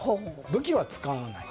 武器は使わない。